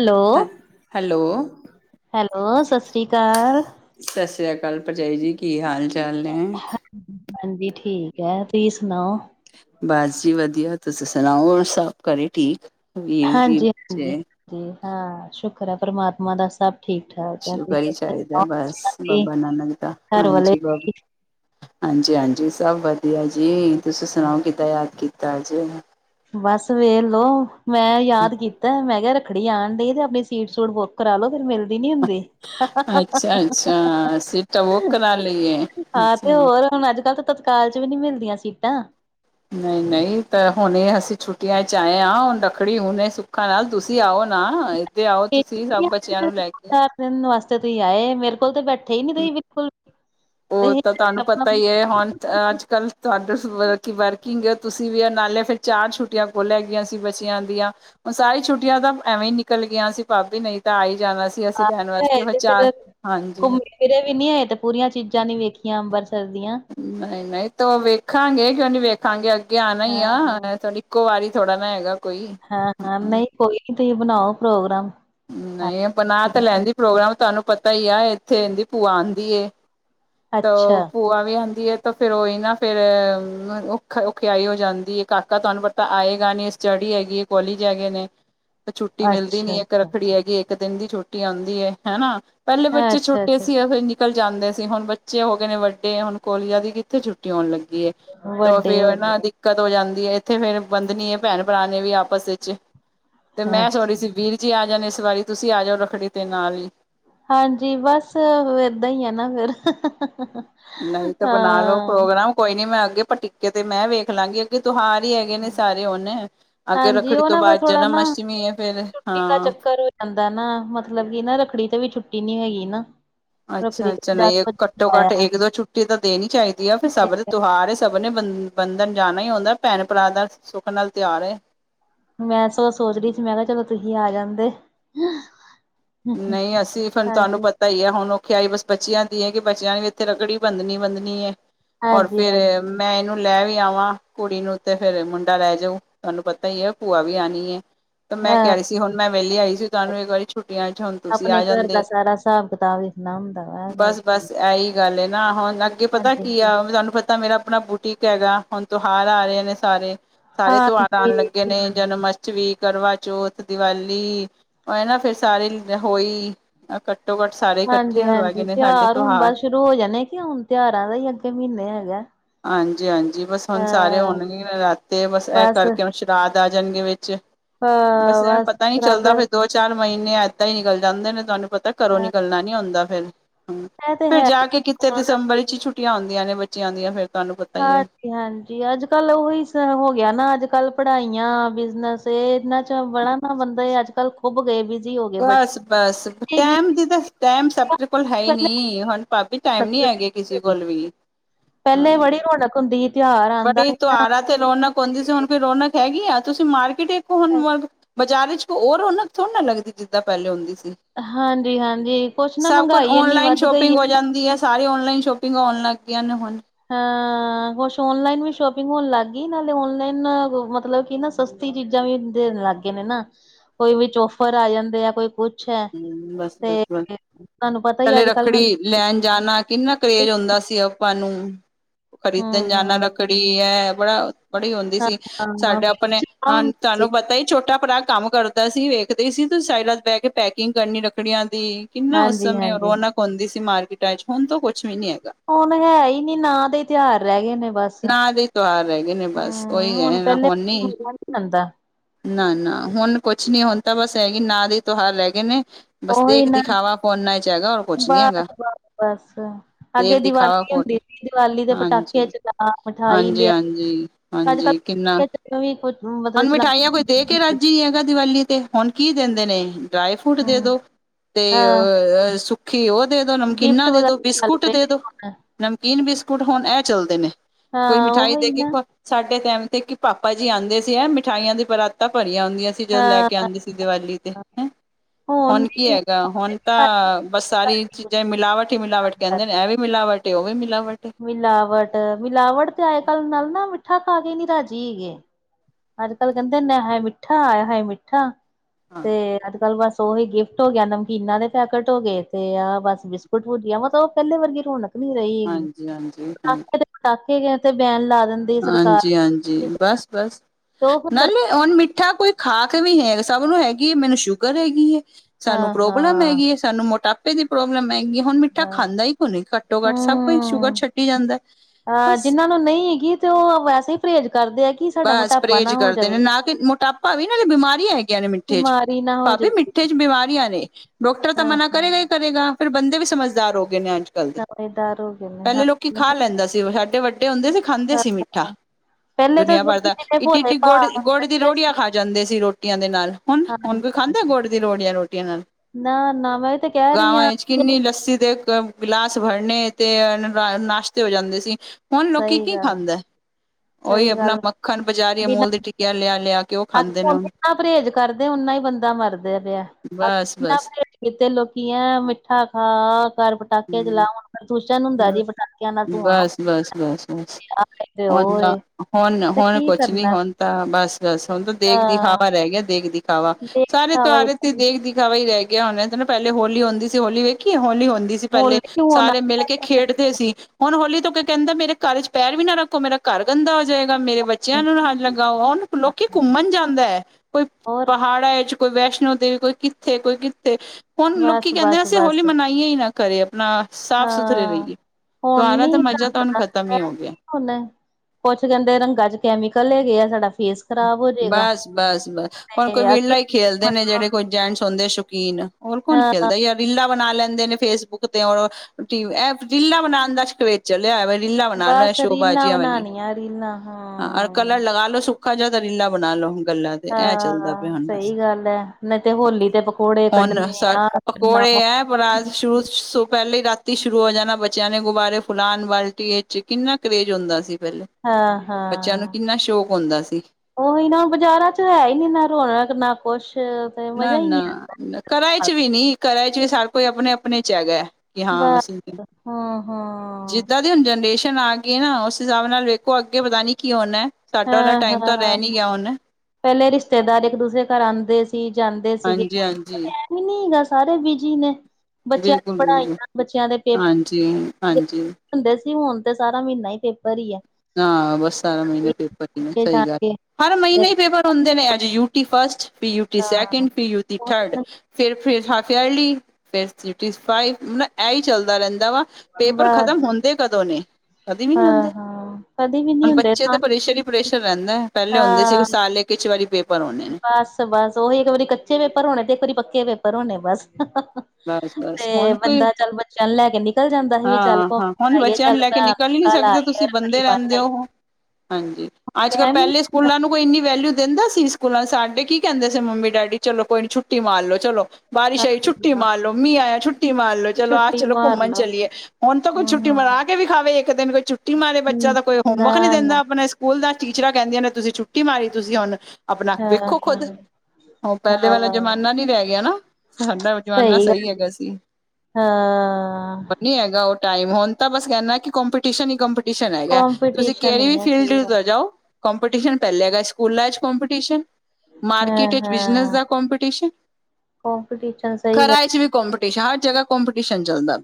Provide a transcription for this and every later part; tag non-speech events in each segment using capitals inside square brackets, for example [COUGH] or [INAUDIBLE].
Hello, ਹਾਂ hello hello ਸਤਿ ਸ਼੍ਰੀ ਅਕਾਲ, ਸਤਿ ਸ਼੍ਰੀ ਅਕਾਲ ਭਰਜਾਈ ਜੀ ਕੀ ਹਾਲ ਚਾਲ ਨੇ। ਹਾਂਜੀ, ਠੀਕ ਹੈ ਤੁਸੀਂ ਸੁਣਾਓ। ਬਸ ਜੀ ਵਧੀਆ ਤੁਸੀਂ ਸੁਣਾਓ ਹੋਰ ਸਭ ਘਰੇ ਠੀਕ, ਵੀਰ ਜੀ ਹਾਂਜੀ, ਹਾਂਜੀ, ਤੇ ਹਾਂਜੀ ਹਾਂ ਸ਼ੁਕਰ ਹੈ ਪਰਮਾਤਮਾ ਦਾ ਸਭ ਠੀਕ ਠਾਕ ਹੈ ਸੁਕਰ ਤੁਸੀਂ ਹੀ ਚਾਹੀਦਾ ਆਪਣਾ ਬਸ ਸੁਣਾਓ? ਬਾਬਾ ਨਾਨਕ ਦਾ, ਘਰ ਵਾਲੇ ਹਾਂਜੀ ਠੀਕ ਬਾਬਾ ਹਾਂਜੀ-ਹਾਂਜੀ ਸਭ ਵਧੀਆ ਜੀ, ਤੁਸੀਂ ਸੁਣਾਓ ਠਾਕ? ਕਿੱਦਾਂ ਯਾਦ ਕੀਤਾ ਅੱਜ। ਬਸ ਵੇਖ ਲੋੋ, ਮੈਂ ਯਾਦ ਕੀਤਾ ਮੈਂ ਕਿਹਾ ਰ ਰੱਖੜੀ ਆਣ ਡਈ ਤੇ ਆਪਣੀ ਸੀਟ ਸੂਟ ਬੁੱਕ ਕਰਾ ਲੋ ਫਿਰ ਮਿਲਦੀ ਨੀ ਹੁੰਦੀ। ਅੱਛਾ-ਅੱਛਾ, ਸੀਟਾਂ ਬੁੱਕ ਕਰਾ ਲਈ ਏ, ਹਾਂ ਅੱਛਾ। ਤੇ ਹੋਰ ਹੁਣ ਅੱਜ-ਕੱਲ ਤਾਂ ਤਤਕਾਲ ਚ ਵੀ ਨਹੀ ਮਿਲਦੀਆਂ ਸੀਟਾਂ। ਨਈ-ਨਈ ਤਾਂ ਹੁਣ ਅਸੀਂ ਛੁੱਟੀਆਂ ਚ ਆਏ ਆ ਹੁਣ ਰੱਖੜੀ ਹੁਣ ਸੁੁੱਖਾਂ ਨਾਲ ਤੁਸੀਂ ਆਓ ਨਾ ਇੱਥੇ ਆਓ ਤੁਸੀਂ ਸਭ ਬੱਚਿਆਂ ਨੂੰ ਲੈ ਕੇ। ਤੈਨੂੰ ਨਮਸਤੇ ਤੁਸੀਂ ਆਏ ਮੇਰੇ ਕੋਲ ਤਾਂ ਬੈਠੇ ਹੀ ਨੀ ਤੁਸੀਂ ਬਿਲਕੁਲ। ਤੇ ਉਹ ਤਾਂ ਤੁਹਾਨੂੰ ਆਪਣਾ ਪਤਾ ਹੀ ਹੈ ਹੁਣ ਅੱਜ-ਕੱਲ ਤੁਹਾਡੇ ਨਾਲ ਵਰਕਿੰਗ ਆ ਤੁਸੀਂ ਵੀ ਨਾਲੇ ਫਿਰ ਚਾਰ ਛੁੱਟੀਆਂ ਬੋਲਿਆ ਗਿਆ ਸੀ ਬੱਚਿਆਂ ਦੀਆਂ ਹੁਣ ਸਾਰੀ ਛੁਟੀਆਂ ਤਾਂ ਐਵੇਂ ਹੀ ਨਿਕਲ ਗਈਆ ਸੀ ਭਾਬੀ ਨਹੀ ਤਾਂ ਆ ਹੀ ਜਾਣਾ ਸੀ। ਅਸੀਂ ਮੁਕਾ ਰਹਿਣ ਕੇ ਵਾਸਤੇ ਆਏ ਹੁਣ ਮੈਂ ਤੇ ਚਾਰ ਫਿਰ ਹਾਂਜੀ। ਘੁੰਮੇ ਫਿਰੇ ਵੀ ਨੀ ਹੋਏ ਤੇ ਪੂਰੀਆਂ ਚੀਜ਼ਾਂ ਨੀ ਵੇਖੀਆਂ ਅੰਬਰਸਰ ਦੀਆਂ ਨਹੀਂ ਨਹੀਂ ਤੋ ਵੇਖਾਂਗੇ ਕਿਉਂ ਨੀ ਵੇਖਾਂਗੇ ਅੱਗੇ ਆਣਾ ਹੀ ਹਾਂ ਆ ਹਾਂ ਤੁਹਾਡੀ ਇੱਕ ਵਾਰੀ ਥੋੜਾ ਨਾ ਹੈਗਾ- ਕੋਈ ਹਾਂ ਹਾਂ ਨਹੀਂ ਕੋਈ ਨੀ ਤੁਸੀਂ ਬਣਾਓ ਪ੍ਰੋਗਰਾਮ। ਨਹੀਂ ਬਣਾ ਤਾਂ ਲੈਂਦੀ ਪ੍ਰੋਗਰਾਮ ਤੁਹਾਨੂੰ ਪਤਾ ਹੀ ਆ, ਇੱਥੇ ਇਹਦੀ ਭੂਆ ਆਂਦੀ ਏ। ਤੋ ਅੱਛਾ ਭੂਆ ਵੀ ਆਂਦੀ ਏ। ਤਾਂ ਫਿਰ ਉਹੀ ਨਾ ਫੇਰ ਉੱਖ ਔਖਿਆਈ ਹੋ ਜਾਂਦੀ ਏ, ਕਾਕਾ ਤੁਹਾਨੂੰ ਪਤਾ ਆਏਗਾ ਨੀ ਇਸ ਚੜ੍ਹੀ ਹੈਗੀ। [UNINTELLIGIBLE] [INAUDIBLE] ਛੁੱਟੀ ਮਿਲਦੀ ਅੱਛਾ ਨੀ ਇੱਕ ਅੱਛਾ ਰੱਖੜੀ ਹੈਗੀ ਇੱਕ ਦਿਨ ਦੀ ਛੁੱਟੀ ਆਂਦੀ ਏ ਹੈ ਨਾ। ਪਹਿਲੇ ਅੱਛਾ ਬੱਚੇ ਅੱਛਾ ਛੋਟੇ ਅੱਛਾ ਸੀ ਏਹੋ ਨੀ ਨਿਕਲ ਜਾਂਦੇ ਸੀ ਹੁਣ ਬੱਚੇ ਹੋ ਗਏ ਨੇ ਵੱਡੇ ਹੁਣ ਕੋਲਜਾਂ ਦੀ ਕਿੱਥੇ ਛੁੱਟੀ ਹੋਣ ਲੱਗੀ ਏ। ਤੋਂ ਵੱਡੇ ਫਿਰ ਹੋ ਓਨਾ ਗਏ ਦੀ ਕਦੋਂ ਜਾਂਦੀ ਏ ਇੱਥੇ ਫੇਰ ਬੰਧਨੀ ਹੈ ਭੈਣ ਭਰਾ ਨੇ ਵੀ ਆਪਸ ਵਿੱਚ ਤੇ ਮੈਂ ਥੋੜੀ ਅੱਛਾ ਸੀ ਵੀਰ ਜੀ ਆ ਜਾਣ ਇਸ ਵਾਰੀ ਤੁਸੀਂ ਆ ਜਾਓ ਰੱਖੜੀ ਤੇ ਨਾਲ ਈ। ਹਾਂਜੀ ਬਸ ਏਦਾਂ ਈ ਆ ਨਾ ਫਿਰ। ਨਹੀਂ ਤੇ ਬਣਾ ਲੋ ਹਾਂ ਪ੍ਰੋਗਰਾਮ ਕੋਈ ਨੀ ਮੈਂ ਅੱਗੇ ਪ ਟੀਕੇ ਤੇ ਮੈਂ ਵੇਖ ਲਾਂਗੀ। ਕਿ ਤੋਹਾਰ ਹੀ ਹੈਗੇ ਨੇ ਸਾਰੇ ਹੁਨ। ਅੱਗੇ ਹਾਂਜੀ ਰੱਖੜੀ ਉਹ ਤੋਂ ਨਾ ਬਾਅਦ ਥੋੜਾ ਜਨਮ ਨਾ ਅਸ਼ਟਮੀ ਹੈ ਫਿਰ ਹਾਂ। ਅਂਦਾ ਨਾ ਮਤਲਬ ਕਿ ਨਾ ਰੱਖੜੀ ਤੇ ਵੀ ਛੁੱਟੀ ਨੀ ਹੈਗੀ ਨਾ। ਰੱਖੜੀ ਅੱਛਾ-ਅੱਛਾ ਤੇ ਦਸ ਨਹੀਂ ਵਜੇ ਘੱਟੋ ਘੱਟ ਆਇਆ ਇੱਕ ਦੋ ਛੁੱਟੀ ਤਾਂ ਦੇਣੀ ਚਾਈਦੀ ਆ ਫਿਰ ਸਭ ਦੇ ਤਹਾਰ ਸਭ ਨੇ ਬੰ ਬੰਧਨ ਜਾਣਾ ਹੀ ਹੁੰਦਾ ਭੈਣ ਭਰਾ ਦਾ ਸੁੱਖ ਨਾਲ ਤਿਹਾਰ ਹੈ। ਮੈਂ ਇ ਸੋਚ ਸੋਚ ਰਹੀ ਸੀ। ਮੈਂ ਕਿਹਾ ਚਲੋ ਤੁਸੀਂ ਆ ਜਾਂਦੇ। ਨਹੀਂ ਅਸੀਂ ਫਿਰ ਤੁਆਨੂੰ ਹਾਂਜੀ, ਪਤਾ ਪਤਾ ਹੀ ਹੁਣ ਔਖੇ ਆਈ ਬੱਚਿਆਂ ਦੀ ਹੈ ਕਿ ਬੱਚਿਆਂ ਨੇ ਵੀ ਇੱਥੇ ਰਗੜੀ ਬੰਦਣੀ ਬੰਦਣੀਏ। ਔਰ ਹਾਂਜੀ, ਫਿਰ ਹਾਂਜੀ ਮੈਂ ਇਹਨੂੰ ਲੈ ਵੀ ਆਵਾਂ ਕੁੜੀ ਨੂੰ ਤੇ ਫਿਰ ਮੁੰਡਾ ਰਹਿ ਜਾਊ। ਤੁਹਾਨੂੰ ਪਤਾ ਹੀ ਏ ਭੂਆ ਵੀ ਆਣੀ ਏ, ਤੇ ਹਾਂ ਮੈਂ ਕੈਅ ਰਹੀ ਸੀ। ਹੁਣ ਮੈਂ ਵੇਹਲੀ ਆਈ ਸੀ ਤੁਹਾਨੂੰ ਇੱਕ ਵਾਰੀ ਛੁੱ ਟੀਆਂ ਚ ਹੁਣ ਤੁਸੀਂ ਆਪਣੇ ਆ ਘਰ ਦਾ ਜਾਂਦੇ ਸਾਰਾ ਹਿਸਾਬ ਕਿਤਾਬ ਵੇਖਣਾ ਹੁੰਦਾ ਵਾ ਇਹ ਗੱਲ ਬਸ-ਬਸ। ਠੀਕ। ਏਹੀ ਗੱਲ ਨਾ ਹੁਣ ਅੱਗੇ ਆ ਪਤਾ ਹਾਂਜੀ, ਕਿ ਆ ਵੀ ਤੁਆਨੂੰ ਪਤਾ ਮੇਰਾ ਆਪਣਾ ਬੂਟੀ ਕ ਹੈਗਾ ਹੁਣ ਤਿਉਹਾਰ ਆ ਰਹੇ ਨੇ ਸਾਰੇ। ਸਾਰੇ ਤਿਉਹਾਰ ਹਾਂਜੀ, ਆਉਣ ਲੱਗੇ ਹਾਂਜੀ, ਨੇ ਜਨਮ ਅਟ ਛਵੀ, ਕਰਵਾਚੌਥ, ਦੀਵਾਲੀ ਆਏਂ ਨਾ ਫਿਰ ਸਾਰੇ ਹੋਈ ਅਕ ਘੱਟੋ-ਘੱਟ ਸਾਰੇ ਹਾਂਜੀ, ਇਕੱਠੇ ਹੋ ਹਾਂਜੀ ਗਏ ਨੇ ਸਾਡੇ ਤਿਉਹਾਰ ਹੁਣ ਤੋਹਾਰ। ਬਸ ਸ਼ੁਰੂ ਹੋ ਜਾਣੇ ਕਿ ਹੁਣ ਤਿਉਹਾਂਰਾਂ ਦਾ ਹੀ ਅੱਗੇ ਮਹੀਨੇ ਹੈਗਾ। ਹਾਂਜੀ, ਹਾਂਜੀ ਬਸ ਹੁਣ ਸਾਰੇ ਹਾਂ ਹੋਣਗੇ ਨਰਾਤੇ ਬਸ ਇਹ ਕਰਕੇ ਰਾਦ ਆ ਜਾਣਗੇ ਵਿਚ ਹਾਂ ਬਸ ਐਂ ਪਤਾ ਨੀ ਚੱਲਦਾ ਸ਼ਰਾਧਾ ਫਿਰ ਦੋ ਚਾਰ ਮਹੀਨੇ ਏਦਾਂ ਹੀ ਨਿਕਲ ਜਾਂਦੇ ਨੇ ਤੁਹਾਨੂੰ ਪਤਾ ਘਰੋਂ ਹਾਂ ਨਿਕਲਣਾ ਨੀ ਹੁੰਦਾ ਫਿਰ। ਹੂੰ, ਇਹ ਤੇ ਫੇਰ ਹੈ ਜਾ ਹੀ ਕੇ ਕਿਤੇ ਦਸੰਬਰ ਚ ਈ ਛੁੱਟੀਆਂ ਆਉਂਦੀਆ ਨੇ ਬੱਚਿਆਂ ਦੀਆਂ ਫੇਰ ਤੁਹਾਨੂੰ ਪਤਾ ਈ ਏ। ਹਾਂਜੀ, ਹਾਂਜੀ ਅੱਜ-ਕੱਲ ਓਹੀ ਹੋ ਗਿਆ ਨਾ ਅੱਜ-ਕੱਲ ਪੜ੍ਹਾਈਆਂ ਬਿਜਨਸ ਇਹ ਇਨਾਂ 'ਚ ਬੜਾ ਨਾ ਬੰਦੇ ਅੱਜ-ਕੱਲ੍ਹ ਖੁੱਬ ਗਏ ਬਿਜੀ ਹੋ ਗਏ ਬੜੇ। ਬਸ ਬਸ ਟੈਮ ਦੀ ਤਾਂ ਟੈਮ ਸਬ ਕੋਲ ਹੈ ਈ ਪਹਿਲੇ ਨੀ ਹੁਣ ਭਾਬੀ ਟਾਈਮ ਨੀ ਹੈਗੇ ਕਿਸੇ ਕੋਲ ਵੀ। ਪਹਿਲੇ ਬੜੀ ਰੌਣਕ ਹੁੰਦੀ ਹੀ ਤਿਉਹਾਰ ਆਂਦਾ ਤੋਆਰਾ ਤੇ ਰੌਣਕ ਹੁੰਦੀ ਸੀ। ਹੁਣ ਫਿਰ ਰੌਣਕ ਹੈਗੀ ਆ ਤੁਸੀਂ ਮਾਰਕੀਟ ਇੱਕ ਹੁਣ ਬਾਜ਼ਾਰ ਵਿਚ ਹੋਰ ਹੁਣ ਥੋੜ੍ਹੀ ਨਾ ਲੱਗਦੀ ਜਿੱਦਾਂ ਪੇਲੈ ਹੁੰਦੀ ਸੀ। ਹਾਂਜੀ ਹਾਂਜੀ ਕੁਛ ਨਾ ਸਭ ਕੁਂ ਮਹਿੰਗਾਈ ਇੰਨੀ ਓਨਲਾਈਨ ਵੱਧ ਗਈ ਸ਼ੋਪਿੰਗ ਹੋ ਹੈ ਜਾਂਦੀ ਏ। ਸਾਰੇ ਔਨਲਾਈਨ ਸ਼ੋਪਿੰਗਾਂ ਹੋਣ ਲੱਗ ਗਈਆਂ ਨੇ ਹੁਣ। ਹਾਂ, ਕੁਛ ਔਨਲਾਈਨ ਵੀ ਸ਼ੋਪਿੰਗ ਹੋਣ ਲੱਗ ਗਈ, ਨਾਲੇ ਔਨਲਾਈਨ ਮਤਲਬ ਕਿ ਨਾ ਸਸ ਤੀ ਚੀਜ਼ਾਂ ਵੀ ਦੇਣ ਲੱਗ ਗਏ ਨੇ ਨਾ, ਕੋਈ ਵਿੱਚੋ ਓਫਰ ਆ ਜਾਂਦੇ ਆ ਕੋਈ ਕੁਛ ਹੈ ਹਮ, ਬਸ- ਤੇ ਬਸ- ਬਸ ਤੁਹਾਨੂੰ ਪਤਾ ਹੀ ਪਹਿਲੇ ਅੱਜ ਕੱਲ ਮੈਂ ਰੱਖੜੀ ਲੈਣ ਜਾਣਾ ਕਿੰਨਾ ਕਰੇਜ ਹੁੰਦਾ ਸੀ ਆਪਾਂ ਨੂੰ, ਖਰੀਦਣ ਹਮ ਜਾਣਾ ਹਮ ਰੱਖੜ ੜੀ ਹੈ ਬੜਾ, ਬੜੀ ਹੁੰਦੀ ਸੀ, ਸਾਡੇ ਆਪਣੇ ਹਾਂ ਹਨ ਹੁੰਦੀ ਸੀ ਤਾਨੂੰ ਪਤਾ ਹੀ ਛੋਟਾ ਭਰਾ ਕੰਮ ਕਰਦਾ ਸੀ। ਵੇਖਦੇ ਸੀ ਤੁਸੀ ਸਾਈਡਾਂ ਤੇ ਬਹਿ ਕੇ ਪੈਕਿੰਗ ਕਰਨੀ ਰੱਖੜੀਆਂ ਦੀ, ਕਿੰਨਾ ਉਸ ਹਾਂਜੀ ਸਮੇਂ ਉਹ ਹਾਂਜੀ ਰੌਣਕ ਹੁੰਦੀ ਸੀ ਮਾਰਕੀਟਾਂ 'ਚ, ਹੁਨ ਤਾਂ ਕੁਛ ਵੀ ਨੀ ਹੈਗਾ ਹੁਣ ਹੈ ਹੀ ਨੀ, ਨਾਂ ਦੇ ਤਿਹਾਰ ਰਹਿ ਗਏ ਨੇ ਬਸ ਨਾ ਦੇ ਤਿਹਾਰ ਰਹਿ ਗਏ ਨੇ ਬਸ, ਹਮ ਉਹੀ ਹੈ, ਪਹਿਲੇ ਹੁਣ ਨੀ। ਆਉਂਦਾ ਨਾ- ਨਾ ਹੁਣ ਕੁਛ ਨੀ, ਹੁਣ ਤਾਂ ਬਸ ਹੈਗੀ ਨਾ ਦੀ ਤਿਹਾਰ ਰਹਿ ਗਏ ਨੇ। ਬਸ ਉਹੀ ਦੇਖ ਨਾ ਦਿਖਾਵਾ ਫੋਨਾ 'ਚ ਹੈਗਾ। ਕੁਛ ਨੀ ਬਸ- ਹੈਗਾ ਬਸ- ਬਸ ਅੱਗੇ ਦੇਖ ਦਿਖਾਵਾ ਦੀਵਾਲੀ ਫੋਟੋ ਹੁੰਦੀ ਸੀ, ਦੀਵਾਲੀ ਦੇ ਪਟਾਕੇ ਹਾਂਜੀ, ਚਲਾ ਮਿਠਾਈ ਹਾਂਜੀ, ਲਿਆ, ਹਾਂਜੀ, ਅੱਜ- ਕੱਲ ਹਾਂਜੀ ਕਿੰਨਾ [UNINTELLIGIBLE] ਕੁਛ ਵੀ ਮਤਲਬ ਹੁਣ ਚਲਾ ਮਿਠਾਈਆਂ ਕੋਈ ਦੇ ਕੇ ਰਾਜੀ ਹੀ ਨਹੀ ਹੈਗਾ ਦੀਵਾਲੀ ਤੇ, ਹੁਣ ਕੀ ਦਿੰਦੇ ਨੇ, ਡਰਾਈ ਫਰੂਟ ਦੇ ਹਮ ਦੋ ਤੇ ਹਾਂ ਓ, ਸੁੱਖੀ ਉਹ ਦੇ ਦੋ, ਗਿਫਟ ਨਮਕੀਨਾ ਦੇ ਦੋ, ਵਗੈਰਾ ਚੱਲ ਬਿਸਕੁਟ ਪਏ ਦੇ ਨੇ ਦੋ। ਹੁਣ ਨਮਕੀਨ, ਬਿਸਕੁਟ, ਹੁਣ ਐਹ ਚੱਲਦੇ ਨੇ, ਕੋਈ ਹਾਂ ਮਿਠਾਈ ਦੇ ਉਹੀ ਕੇ ਨਾ ਖਾ ਸਾਡੇ ਟਾਈਮ ਤੇ ਕਿ ਪਾਪਾ ਜੀ ਆਉਂਦੇ ਸੀ ਹੈਂ ਮਿਠਾਈਆਂ ਦੀ ਪਰਾਤਾਂ ਭਰੀਆਂ ਹੁੰਦੀਆਂ ਸੀ? ਜਦੋਂ ਲੈ ਹਾਂ ਕੇ ਆਉਂਦੇ ਸੀ ਦੀਵਾਲੀ ਤੇ, ਹੈਂ, ਹੁਣ ਕੀ ਹੈਗਾ ਹੁਣ ਤਾਂ ਬਸ ਸਾਰੀ ਚੀਜ਼ਾਂ ਮਿਲਾਵਟ ਹੀ ਮਿਲਾਵਟ ਕਹਿੰਦੇ ਨੇ, ਐਹ ਵੀ ਮਿਲਾਵਟ ਹੈ ਉਹ ਵੀ ਮਿਲਾਵਟ। ਮਿਲਾਵਟ, ਮਿਲਾਵਟ ਤੇ ਅੱਜ ਕੱਲ ਨਾਲ ਮਿੱਠਾ ਖਾ ਕੇ ਨੀ ਰਾਜੀ ਹੈਗੇ। ਅੱਜ- ਕੱਲ ਕਹਿੰਦੇ ਨੇ ਹਾਏ ਮਿੱਠਾ, ਆਏ ਹਾਏ ਮਿੱਠਾ, ਹਾਂ ਤੇ ਅੱਜ -ਕੱਲ ਬਸ। ਉਹੀ ਗਿਫਟ ਹੋ ਗਿਆ, ਨਮਕੀਨਾਂ ਦੇ ਪੈਕਟ ਹੋ ਗਏ, ਤੇ ਆ ਬਸ ਬਿਸਕੁਟ ਭੂਜੀਆ, ਮਤਲਬ ਉਹ ਪਹਿਲੇ ਵਰਗੀ ਰੌਣਕ। ਰੌਣਕ ਨੀ ਰਹੀ ਹੈਗੀ, ਹਾਂਜੀ ਹਾਂਜੀ ਹਾਂ ਪਟਾਕੇ ਤੇ ਪਟਾਕੇ ਗ ਤੇ ਬੈਨ ਲਾ ਦੇਣ ਹਾਂਜੀ- ਹਾਂਜੀ, ਬਸ- ਬਸ ਉਹ ਫਿਰ ਕਰ ਨਾਲੇ ਹੁਣ ਮਿੱਠਾ ਕੋਈ ਖਾ ਕੇ ਵੀ ਹੈ, ਸਭ ਨੂੰ ਹੈਗੀ, ਮੈਨੂੰ ਸ਼ੂਗਰ ਹੈਗੀ ਐ? ਸਾਨੂੰ ਹਾਂ ਪ੍ਰੋਬਲਮ ਹਾਂ ਹੈਗੀ ਏ, ਸਾਨੂੰ ਮੋਟਾਪੇ ਦੀ ਪ੍ਰੋਬਲਮ ਹੈਗੀ ਏ ਹੁਣ ਮਿੱਠਾ ਹਾਂ ਖਾਂਦਾਈ ਕੋਈ ਨਹੀਂ, ਘੱਟੋ- ਘੱਟ ਸਭ ਕੋਈ ਸ਼ੂਗਰ ਹੂੰ ਛੱਡੀ ਹੀ ਜਾਂਦਾ ਬਸ। ਹੁਣ ਉਹ ਨਹੀਂ ਹੈਗੀ। ਤੇ ਉਹ ਵੈਸੇ ਪਰਹੇਜ਼ ਕਰਦੇ ਆ ਕਿ ਸਾਡਾ ਬਸ ਮੋਟਾਪਾ ਪਰਹੇਜ ਨਾ ਹੋ ਕਰਦੇ ਨੇ, ਜਾਵੇ ਨਾ ਕਿ ਮੋਟਾਪਾ ਵੀ ਨਾ ਨੇ ਬਿਮਾਰੀਆਂ ਹੈਗੀਆਂ ਨੇ ਮਿੱਠੇ 'ਚ ਬਿਮਾਰੀ ਨਾ ਹੋ ਭਾਬੀ ਜੇ ਮਿੱਠੇ 'ਚ ਬਿਮਾਰੀਆਂ ਨੇ, ਡੋਕਟਰ ਤਾਂ ਹਾਂ ਮਨਾ ਹਾਂ ਕਰੇਗਾ ਹੀ ਕਰੇਗਾ। ਫੇਰ ਬੰਦੇ ਵੀ ਸਮਝਦਾਰ ਹੋ ਗਏ ਨੇ ਅੱਜ ਗਲਤ, ਸਮਝਦਾਰ ਹੋ ਗਏ ਨੇ ਹਾਂ ਪਹਿਲੇ ਲੋਕੀ ਖਾ ਲੈਂਦਾ ਸੀ, ਸਾਡੇ ਵੱਡੇ ਹੁੰਦੇ ਸੀ ਖਾਂਦੇ ਸੀ ਮਿੱਠਾ। ਪਹਿਲੇ ਤਾਂ ਦੁਨੀਆਂ ਭਰ ਲੋਕੀ ਦਾ, ਜਿਵੇਂ ਇਡੀ- ਭੋਲੇ ਇਡੀ ਗੁੜ ਭਾਲੇ ਗੁੜ, ਦੀ ਹੁੰਦੇ ਸੀ ਰੋਹੜੀਆਂ ਖਾ ਜਾਂਦੇ ਸੀ ਰੋਟੀਆਂ ਦੇ ਨਾਲ ਹੁਣ, ਹੁਣ ਕੋਈ ਖਾਂਦਾ ਗੁੜ ਦੀ ਰੋਹੜੀਆਂ ਰੋਟੀਆਂ ਨਾਲ। ਨਾ- ਨਾ ਮੈਂ ਵੀ ਤੇ ਕਹਿ ਰਹੀ ਗਾਵਾਂ ਆਂ। ਵਿੱਚ ਕਿੰਨੀ ਲੱਸੀ ਦੇ ਅ ਗਿਲਾਸ ਭਰਨੇ ਤੇ ਨਾਸ਼ਤੇ ਹੋ ਜਾਂਦੇ ਸੀ? ਹੁਣ ਲੋਕੀ ਸਹੀ ਕੀ ਗੱਲ ਖਾਂਦਾ, ਉਹੀ ਸਹੀ ਆਪਣਾ ਗੱਲ ਮੱਖਣ ਬਾਜ਼ਾਰੀ ਅਮੂਲ ਦੀ ਟਿੱਕੀਆ ਲਿਆ- ਲਿਆ। ਕੇ ਉਹ ਅੱਜ- ਖਾਂਦੇ ਨੇ ਕੱਲ ਹੁਣ ਜਿੰਨਾ ਪਰਹੇਜ ਕਰਦੇ, ਓਨਾ ਹੀ ਬੰਦਾ ਮਰਦਾ ਪਿਆ। ਅੱਜ, ਬਸ ਬਿਨਾ ਬਸ ਪਰਹੇਜ ਕੀਤੇ ਲੋਕੀ ਐਂ ਮਿੱਠਾ ਖਾ, ਆ ਕਰ, ਪਟਾਕੇ ਚਲਾ ਹਮ ਹੁਣ ਬਸ, ਬਸ- ਬਸ -ਬਸ ਹੁੰਦਾ ਤੇ ਉਹ ਔਂਹਦਾ। ਏ ਹੁਨ, ਤੇ ਹੁਣ ਕੀ ਕੁਛ ਨੀ, ਕਰਨਾ ਹੁਨ ਤਾਂ ਬਸ- ਬਸ ਹੁਣ ਤਾਂ ਦੇਖ ਹਾਂ ਦਿਖਾਵਾ ਰਹਿ ਗਿਆ ਦੇਖ ਦਿਖਾਵਾ, ਸਾਰੇ ਦਿਖਾਵਾ ਤਾਰੇ। ਦੇਖ ਦਿਖਾਵਾ ਈ ਰੈ ਗਯਾ ਹੁਨ, ਪੈਲੇ ਹੋਲੀ ਹੁੰਦੀ ਸੀ ਹੋਲੀ ਵੇਖੀਏ ਹੋਲੀ ਹੋਂਦੀ ਸੀ ਪੈਲੇ ਹੋਲੀ ਹੁਣ ਸਾਰੇ ਮੇਲ ਕੇ ਖੇਡਦੇ ਸੀ ਹੁਣ, ਹੋਲੀ ਤੋਂ ਕੋਈ ਕੈਂਦਾ ਮੇਰੇ ਘਰ ਵਿੱਚ ਪੈਰ ਵੀ ਨਾ ਰੱਖੋ ਮੇਰਾ ਘਰ ਗੰਦਾ ਹੋ ਜਾਏਗਾ, ਮੇਰੇ ਬੱਚਿਆਂ ਨੂੰ ਨਾ ਲੱਗਾ ਓਨੂੰ ਲੋਕੀ ਘੁੰਮਣ ਜਾਂਦੈ ਕੋਈ ਹੋਰ ਪਹਾੜਾਂ ਚ, ਕੋਈ ਵੈਸ਼ਨੋ ਦੇਵੀ ਕੋਈ ਕਿੱਥੇ ਕੋਈ ਕਿੱਥੇ ਹੁਣ ਲੋਕ ਕੈਂਦੇ ਅਸੀਂ ਹੋਲੀ ਬਸ-ਬਸ-ਬਸ ਮਨਾਈ ਹੀ ਨਾ ਕਰੇ ਆਪਣਾ ਸਾਫ-ਸੁਥਰੇ ਹਾਂ ਰਹੀਏ ਤਯੋਹਾਰਾਂ ਤੇ ਮਜਾਂ ਤਾਂ ਹੁਨ ਖਤਮ ਈ ਹੋ ਗਯਾ। ਕੁੱਛ ਕੈਂਦੇ ਰੰਗਾਂ ਚ ਕੈਮੀਕਲ ਹੈਗੇ ਆ, ਸਾਡਾ ਫੇਸ ਖ਼ਰਾਬ ਹੋ ਜਾਏਗਾ ਬਸ-ਬਸ-ਬਸ ਹੁਨ ਕੋਈ ਤੇ ਅੱਗੇ ਵੇਲਾ ਈ ਖੇਲਦੇ ਨੇ ਮਤਲਬ ਜੇੜੇ ਕੋਈ ਜੈਨਸ ਹੁੰਦੇ ਸ਼ੌਕੀਨ, ਹੋਰ ਕੌਣ ਹਾਂ ਖੇਲਦੈ ਯਾ ਰੀਲਾਂ ਬਣਾ ਲੈਂਦੇ ਨੇ ਫੇਸਬੁੱਕ ਤੇ ਹੁਨ ਓ ਰੀਲਾਂ ਬਣਾਣ ਦਾ ਸ਼ ਚਲੇਆ ਹੋਯਾ ਵੇ ਰੀਲਾ ਬਣਾ ਲ ਬਸ ਸ਼ੋ ਰੀਲਾਂ ਬਾਜੀਆਂ ਵਾਲੀ। ਬਣਾਣੀਆਂ ਰੀਲਾਂ ਕਲਰ ਹਾਂ ਲਗਾ ਲੋ ਸੁੱਖਾ ਜੇਆ ਤੇ ਰੀਲਾ ਬਣਾ ਲੋ। ਐ ਚੱਲਦਾ ਪਿਆ ਹਾਂ ਹੁਣ ਬਸ, ਸਹੀ ਗੱਲ ਹੈ ਨਹੀਂ ਤੇ ਹੋਲੀ ਤੇ ਪਕੌੜੇ ਹੁਣ ਕੱਢਣੇ ਸ ਆ ਕਰਨਾ ਪਕੌੜੇ ਐ ਰਾ ਸ਼ੁਰੂ ਤੋਂ ਪੈਲੇ ਰਾਤੀ ਸ਼ੁਰੂ ਹੋ ਜਾਨਾ ਬੱਚਿਆਂ ਨੇ ਗੁਬਾਰੇ ਫੁਲਾਨ ਬਾਲਟੀ ਬ ਕਿੰਨਾ ਕਰੇਜ ਹੁੰਦਾ ਸੀ ਪੈਲਾਂ, ਹਾਂ ਬੱਚਿਆਂ ਨੂੰ ਕਿੰਨਾ ਸ਼ੌਕ ਹੁੰਦਾ ਸੀ। ਓਹੀ ਨਾ ਬਾਜ਼ਾਰਾਂ ਚ ਹੈਈਨੀ ਨਾ ਰੋਣਕ ਨਾ ਕੋਛ। ਨਾ ਨਾ ਕਰਾ 'ਚ ਵੀ ਨੀਂ ਘਰਾਂ 'ਚ ਵੀ ਸਾਰ ਕੋਈ ਅਪਣੇ-ਅਪਣੇ 'ਚ ਹੈਗਾ। ਕਿ ਹਾਂ, ਬਸ ਅਸੀਂ ਹਾਂ ਹਾਂ ਜਿੱਦਾਂ ਹੁਣ ਜਨਰੇਸ਼ਨ ਆ ਗਈ ਨਾ ਓਸ ਹਿਸਾਬ ਨਾਲ ਵੇਖੋ ਅੱਗੇ ਪਤਾ ਨੀ ਕਿ ਹੋਣਾ। ਸਾਡਾ ਆਲਾ ਟਾਈਮ ਤਾਂ ਰੈ ਨੀਂ ਗਯਾ ਹੁਨ। ਪੈਲੇ ਰਿਸ਼ਤੇਦਾਰ ਇੱਕ ਦੂਸਰੇ ਘਰ ਆਂਦੇ ਸੀ ਜਾਂਦੇ ਸੀ। ਹਾਂਜੀ ਹਾਂਜੀ ਮਿਨੀਗਾਂ, ਸਾਰੇ ਬਿਜੀ ਨੇ। ਬੱਚੇਆਂ ਦੀ ਬਿਲਕੁਲ ਬਿਲਕੁਲ ਪੜ੍ਹਾਈਆਂ, ਬੱਚੇਆਂ ਦੇ ਹਾਂਜੀ ਪੇਪਰ ਹਾਂਜੀ ਹੁੰਦੇ ਸੀ ਹੋਨ ਤੇ ਸਾਰਾ ਮੀਨਾ ਈ ਪੇਪਰ ਈਂ ਐ। ਹਾਂ ਬਸ ਸਾਰਾ ਮੀਨੇ ਪੇਪਰ ਈ ਨੇ, ਸਈ ਗੱਲ ਜਾਣਗੇ ਐ। ਹਰ ਮਹੀਨੇ ਹੀ ਪੇਪਰ ਹੁੰਦੇ ਨੇ ਅੱਜ ਯੂਟੀ ਫਸਟ, ਪੀ ਯੂਟੀ ਹਾਂ ਸੈਕਿੰਡ, ਪੀ ਯੂਟੀ ਥਰਡ। ਫੇਰ ਫੇਰ ਹਾਫ ਯਰਲੀ, ਫਿਰ ਪੀਯੂ ਟੀ ਫਾਈਵ ਮਤਲਬ ਐਈਚੱਲਦਾ ਰੈਂਦਾ ਵਾ। ਪੇਪਰ ਖਤਮ ਹੁੰਦੇ ਕਦੋਂ ਨੇ? ਕਦੇ ਵੀ ਨਹੀਂ ਹੁੰਦੇ ਹਾਂ-ਹਾਂ। ਹੁਣ ਬੱਚੇ ਤਾਂ ਪ੍ਰੇਸ਼ਰ ਈ ਪ੍ਰੇਸ਼ਰ ਰੈਂਦਾ ਪੈਲੇ ਹੁੰਦੇ ਸੀ ਹਾਂ ਸਾਲੇ ਚ ਇੱਕ ਵਾਰੀ ਪੇਪ ਬਸ ਬਸ ਓਹੀ ਇੱਕ ਵਾਰੀ ਕੱਚੇ ਪੇਪਰ ਹੋਣੇ, ਤੇ ਇੱਕ ਵਾਰੀ ਪੱਕੇ ਪੇਪਰ ਹੋਣੇ ਬਸ। ਬਸ ਬਸ ਤੇ ਹੁਣ ਕੋਈ ਬੰਦਾ ਚੱਲ ਬੱਚਿਆਂ ਨੂੰ ਲੈਕੇ ਨਿਕਲ ਜਾਂਦਾ ਸੀ ਵੀ ਚੱਲ ਹਾਂ ਘੁੰਮ ਹਾਂ ਹੁਣ ਫਿਰਈਏ ਬੱਚਿਆਂ ਨੂੰ ਚੱਲ ਲੈ ਕੇ ਪਿਆ ਨਿਕਲ ਹੀ ਨਹੀਂ ਟਿੱਕਾ ਸਕਦੇ ਲਾਈਏ, ਤੁਸੀਂ ਰੱਖੜੀ ਬੰਦੇ ਬੰਨ ਰਹਿੰਦੇ ਆਈਏ। ਹੋ ਹਾਂਜੀ, ਅੱਜ-ਕੱਲ ਟਾਈਮ ਹੀ ਪੈਲੇ ਨੀ ਸਕੂਲਾਂ ਨੂੰ ਕੋਈ ਇੰਨੀ ਵੈਲਿਊ ਦਿੰਦਾ ਸੀ, ਸਕੂਲ ਸਾਡੇ ਕੀ ਕੈਂਦੇ ਸੀ ਮੰਮੀ-ਡੈਡੀ ਚਲੋ ਕੋਈ ਨ ਛੁੱਟੀ ਮਾਰ ਲੋੋ ਚਲੋ ਬਾਰਿਸ਼ ਆਈ ਛੁੱਟੀ ਹਾਂ ਮਾਰ ਲੋਓ, ਮੀਹ ਆਯਾ ਛੁੱਟੀ ਮਾਰ ਲੋ, ਚਲੋ ਅਸੀ ਛੁੱਟੀ ਚਲੋ ਮਾਰ ਘੁੰਮਣ ਲੋ ਚਲੀਏ। ਹੁਣ ਤਾਂ ਕੋਈ ਹਮ ਛੁੱਟੀ ਮਰਾ ਕੇ ਵੀਖਾਵੇ ਇੱਕ ਦਿਨ, ਕੋਈ ਛੁੱਟੀ ਮਾਰੇ ਬੱਚਾ ਹਮ ਤਾਂ ਕੋਈ ਨਾ ਹੋਮਵਰਕ ਨਈਂ ਨਾ ਦਿੰਦਾ ਅਪਨਾ। ਸਕੂਲ ਦਾ ਟੀਚਰਾਂ ਕੈਂਦੀਆਂ ਨੇ ਤੁਸੀਂ ਛੁੱਟੀ ਮਾਰੀ, ਤੁਸੀਂ ਹੁਣ ਅਪਨਾ ਹਾਂ ਵੇਖੋ ਹਾਂ ਖੁਦ, ਹ ਪੈਲੇ ਵਾਲਾ ਹਾਂ ਜਮਾਨਾ ਨੀ ਰੈ ਗਯਾ। ਸਾਡਾ ਮਾਨਾ ਸਹੀ ਗੱਲ ਸਈ ਹੈਗਾ ਸੀ। ਹਾਂ ਨੀਂ ਹੈਗਾ ਓ ਟਾਈਮ ਹੁਣ ਤਾਂ ਬਸ ਕੈਂਦਾ ਕਿ ਕੰਪੀਟੀਸ਼ਨ ਹੀ ਕੰ ਪਿਟਿਸ਼ਨ ਹੈਗਾ। ਤੁਸੀਂ ਕਪੀਟੀਸ਼ਨ ਕੇੜੀ ਹੀ ਵੀ ਹੈ ਫੀਲਡ ਸਹੀ ਗੱਲ ਚਲੇ ਜਾਓ ਕੰਪੀਟੀਸ਼ਨ ਪੈਲੇ ਹੈਗਾ ਸਕੂਲਾਂ ਚ ਕੰਪੀਟੀਸ਼ਨ, ਮਾਰਕੀਟ ਹਾਂ ਚ ਬਿਜਨਸ ਦਾ ਕੰਪੀਟੀਸ਼ਨ। ਕੌਮਪਟੀਟਰਸ ਖਰਾ ਚ ਵੀ ਕੋਂਪਟਟੀਸ਼ਨ, ਹਰ ਜਗਾ ਕੋਂਮਪਟੀਸ਼ਨ ਚੱਲਦਾ ਪ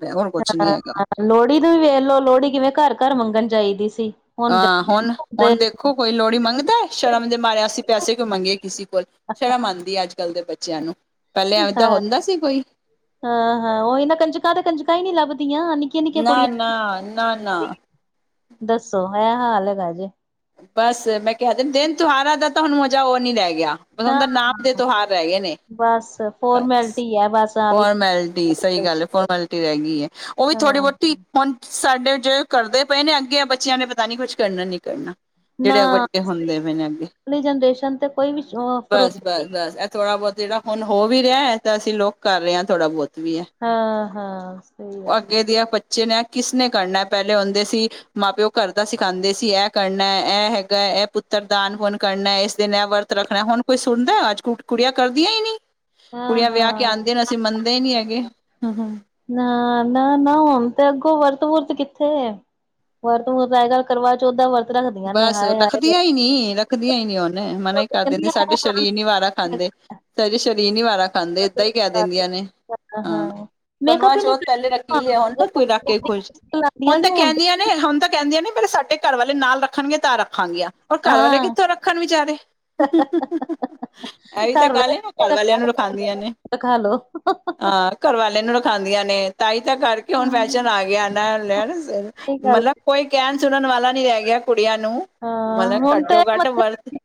ਲੋਹੜੀ ਨੂੰ ਵੀ ਵੇਖ ਲੋ ਲੋਹੜੀ ਕਿਵੇਂ ਘਰ-ਘਰ ਮੰਗਣ ਜਾਈਦੀ ਸੀ। ਹੁਣ ਹਾਂ ਜਾਂਦੇ ਹੁਨ ਹੁੰਦੇ। ਹੁਨ ਦੇਖੋ ਕੋਈ ਲੋਹੜੀ ਮੰਗਦਾ ਸ਼ਰਮ ਦੇ ਮਾਰੇ ਅਸੀਂ ਤੇ ਅਸੀਂ ਕਿਉਂ ਮੰਗਿਏ ਕਿਸੇ ਕੋਲ। ਸ਼ਰਮ ਆਂਦੀ ਅੱਜ ਕੱਲ੍ਹ ਦੇ ਬੱਚਿਆਂ ਨੂੰ ਪਹਿਲੇ ਐਦਾ ਹਾਂ ਹੁੰਦਾ ਸੀ ਕੋਈ। ਹਾਂ ਹਾਂ ਉਹੀ ਨਾ ਕੰਜਕਾਂ ਤੇ ਕੰਜਕਾਂ ਹੀ ਨੀ ਲੱਭਦੀਆਂ ਨਿਕ ਨਾ-ਨਾ ਨਾ-ਨਾ ਦੱਸੋ ਇਹ ਹਾਲ ਹੈਗਾ ਜੇ। ਬਸ ਮੈਂ ਕਿਹਾ ਦੇ ਦਿਨ ਤੁਹਾਰਾ ਦਾ ਤਾਂ ਹੁਨ ਮਜਾ ਉਹ ਨੀ ਰਹਿ ਗਿਆ। ਮਤਲਬ ਨਾ ਹੁਨ ਤੇ ਨਾ, ਨਾਪ ਦੇ ਤਿਉਹਾਰ ਰਹਿ ਗਏ ਨੇ ਬਸ ਬਸ। ਫੋਰਮੈਲਿਟੀ ਹੈ ਬਸ ਆ ਵੀ ਫੋਰਮੈਲਟੀ ਸਹੀ ਗੱਲ ਹੈ ਫੋਰਮੈਲਟੀ ਰਹਿ ਗਈ ਹੈ ਉਹ ਵੀ ਥੋੜ੍ਹੀ ਹਾਂ ਬਹੁਤੀ। ਹੁਨ ਸਾਡੇ ਜੋ ਕਰਦੇ ਪਏ ਨੇ ਅੱਗੇ ਇਹ ਬੱਚੇਆਂ ਨੇ ਪਤਾ ਨਹੀਂ ਨੀ ਕੁਛ ਕਰਨਾ ਨਹੀਂ ਕਰਨਾ। ਨਾ ਜਿਹੜੇ ਵੱਡੇ ਸਹੀ ਹੁੰਦੇ ਪਏ ਨੇ ਅੱਗੇ ਅਗਲੀ ਜਨਰੇਸ਼ਨ ਤੇ ਕੋਈ ਵੀ ਬਸ। ਭਰੋਸਾ ਨਹੀਂ ਬਸ ਬਸ ਇਹ ਥੋੜਾ ਬੋਤ ਜਿਹੜਾ ਹੁਨ ਹੋ ਵੀ ਰਿਹਾ ਹੈ ਤਾਂ ਅਸੀਂ ਲੋਕ ਕਰ ਰਹੇ ਹਾਂ ਥੋੜਾ ਬਹੁਤ। ਵੀ ਹਾਂ ਹਾਂ ਸਹੀ ਉਹ ਗੱਲ ਅੱਗੇ ਦੀ ਆ [UNINTELLIGIBLE] ਬੱਚੇ ਨੇ ਕਿਸਨੇ ਕਰਨਾ ਪਹਿਲੇ ਹੁੰਦੇ ਸੀ ਮਾਂ ਪਿਓ ਘਰ ਦਾ ਸਿਖਾਂਦੇ ਸੀ ਇਹ ਕਰਨ ਇਹ ਇਹ ਹੈਗਾ ਇਹ ਪੁੱਤਰ ਦਾਨ ਪੁੰਨ ਕਰਨਾ ਇਸ ਦਿਨ ਇਹ ਵਰਤ ਰੱਖਣਾ ਹੁਨ ਕੋਈ ਸੁਨਦਾ ਅੱਜ ਕੁ ਕੁੜੀਆਂ ਕਰਦੀਆਂ ਈ ਨੀ ਹਾਂ ਕੁੜੀਆਂ ਵਿਆਹ ਕੇ ਹਾਂ ਆਉਂਦੇਆਂ ਨੇ ਅਸੀਂ ਮੰਨਦੇ ਹੀ ਨੀ ਹੈਗੇ ਹੁ ਹੁ। ਨਾ ਨਾ ਨਾ ਹੁਨ ਤੇ ਅੱਗੋਂ ਵਰਤ ਵੁਰਤ ਕਿੱਥੇ ਵਰਤ ਵੁਰਤ ਅੱਜ ਕੱਲ ਕਰਵਾਚੌਥ ਦਾ ਵਰ ਬਸ ਰੱਖਦੀਆਂ ਈ ਨੀ ਰੱਖਦੀਆਂ ਹੀ ਨੀ ਹੁਨ ਮਨਾ ਹੀ ਕਰ ਦਿੰਦੀ ਸਾਡੇ ਸ਼ਰੀਰ ਨੀ ਵਾਰਾ ਖਾਂਦੇ। ਸਾਡੇ ਸ਼ਰੀਰ ਨੀ ਵਾਰਾ ਖਾਂਦੇ ਏਦਾਂ ਹੀ ਕਹਿ ਦੇਂਦੀਆਂ ਨੇ। ਹਾਂ ਕਨਵਾ ਮੇਕਅਪ ਹੀ ਨੀ ਚੌਥ ਪਹਿਲੇ ਰੱਖੀ ਲਿਆ ਹੁਨ ਤਾਂ ਕੋਈ ਰੱਖ ਕੇ ਖੁਸ਼ ਸੀ ਤੇ [UNINTELLIGIBLE] [UNINTELLIGIBLE] ਹੁਨ ਤਾਂ ਕਹਿੰਦੀਆਂ ਨੇ ਪਹਿਲਾਂ ਸਾਡੇ ਘਰ ਵਾਲੇ ਨਾਲ ਰੱਖ ਰੱਖਨਗੇ ਤਾਂ ਰੱਖਾਂਗੀਆ ਹੁਨ ਘਰ ਵਾਲੇ ਹਾਂ ਕਿੱਥੋਂ ਰੱਖਨ ਵਿਚਾਰੇ। ਐਹੀ ਤਾਂ ਘਰ ਗੱਲ ਏ ਨਾ ਘਰ ਵਾਲਿਆਂ ਨੂੰ ਰਖਾਦੀਆਂ ਨੇ। ਰਖਾ ਲੋ। ਹਾਂ ਘਰਵਾਲੇ ਨੂੰ ਰਖਾਦੀਆਂ ਨੇ ਤਾਈ ਤਾਂ ਕਰਕੇ ਹੁਨ ਹਾਂ ਫੈਸ਼ਨ ਆ ਗਿਆ ਨਾ ਲੈਣ ਸਹੀ ਗੱਲ ਮਲਬ ਕੋਈ ਕਹਿਣ ਸੁਣਨ ਵਾਲਾ ਨੀ ਰਹਿ ਗਿਆ ਕੁੜੀਆਂ ਨੂੰ- ਹਾਂ ਮਲਬ ਹੁਣ ਤੇ ਘੱਟੋ ਘੱਟ ਵਰਤ ਮੱਥੇ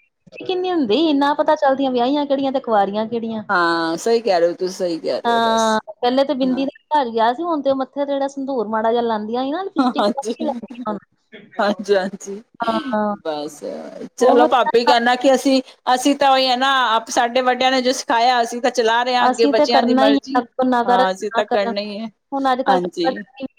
ਕਿੰਨੀ ਹੁੰਦੀ ਨਾ ਪਤਾ ਚੱਲਦੀਆਂ ਵਿਆਹੀਆਂ ਕਿਹੜੀਆਂ ਤੇ ਕੁਆਰੀਆਂ ਕਿਹੜੀਆਂ। ਹਾਂ ਸਹੀ ਕਹਿ ਰਹੇ ਓ ਤੁਸੀਂ ਸਹੀ ਕਹਿ ਰਹੇ ਹੋ ਬਸ ਹਾ ਪਹਿਲੇ ਤੇ ਬਿੰਦੀ ਹਾਂ ਦਾ ਰਿਵਾਨ ਗਿਆ ਸੀ ਹੁਨ ਤੇ ਮੱਥੇ ਤੇ ਜਿਹੜਾ ਸੰਦੂਰ ਮਾੜਾ ਜਿਹਾ ਲਾ ਹਾਂ ਹਾਂਜੀ ਹਾਂਜੀ ਹਾਂਜੀ ਹਾਂ ਬਸ ਉਹ ਚਲੋ ਭਾਬ ਵੀ ਕਹਿੰਨਾ ਕਿ ਅਸੀਂ ਅਸੀਂ ਤਾਂ ਉਹੀ ਹੈ ਨਾ ਆਪ ਸਾਡੇ ਵੱਡਿਆਂ ਨੇ ਜੋ ਸਿਖਾਇਆ ਅਸੀਂ ਚਲਾ ਰਹੇ ਆ ਅੱਗੇ ਅਸੀਂ ਤੇ ਬੱਚਿਆਂ ਦੀ ਕਰਨਾ ਹੀ ਮਰਜੀ ਅੱਗੋਂ ਨਾ ਹਾਂ ਕਰਨ ਅਸੀਂ ਨਾ ਤਾਂ ਕਰਨੀ ਏ ਹਾਂਜੀ।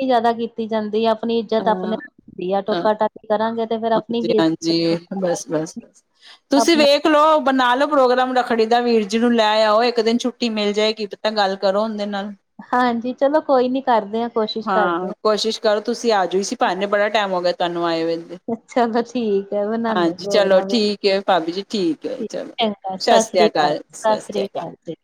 ਜੈਦਾ ਕੀਤੀ ਜਾਂਦੀ ਅਪਨੀ ਇੱਜਤ ਅਪਨੇ ਅਹ ਹੁੰਦੀ ਆ ਟੋਕਾ ਟਾਕੀ ਕਰਾਂਗੇ ਤੇ ਫੇਰ ਆਪ ਹਾਂਜੀ ਹਾਂਜੀ ਬਸ ਬਸ ਬਸ ਤੁਸੀਂ ਆਪਣਾ ਵੇਖ ਦੇਖ ਲਓ ਬਨਾ ਲੋ ਪ੍ਰੋਗਰਾਮ ਰੱਖੜੀ ਦਾ ਵੀਰ ਜੀ ਨੂੰ ਲੈ ਆਓ ਇੱਕ ਦਿਨ ਛੁੱਟੀ ਮਿਲ ਜਾਏਗੀ। ਤਾਂ ਗੱਲ ਕਰੋ ਉਹੰਦੇ ਨਾਲ। ਹਾਂਜੀ ਚਲੋ ਕੋਈ ਨੀ ਕਾਰਦੇ ਆ ਕੋਸ਼ਿਸ਼ ਕਾਰਦੇ ਆ। ਹਾਂ ਕੋਸ਼ਿਸ਼ ਕਰੋ ਤੁਸੀਂ ਆ ਜਾਓ ਇਸੀ ਬਹਾਨੇ ਬੜਾ ਟਾਈਮ ਹੋ ਗਿਆ ਤੁਹਾਨੂੰ ਆਏ ਹੋਏ ਇ ਅੱਛਾੱ [UNINTELLIGIBLE] [UNINTELLIGIBLE] ਠੀਕ ਆ ਬਨਾਨੇ ਚਲੋ ਪਰੋਗਰਾਮ ਠੀਕ ਵੇਖਦੇ ਹੈ ਭਾਬੀ ਜੀ ਹੈ ਠੀਕ ਚਲੋ। ਹੈ ਸਤਿ ਸ੍ਰੀ ਕਾਲ। ਅਕਾਲ, ਸਤਿ ਸ੍ਰੀ ਅਕਾਲ। ਕਾਲ ਜੀ।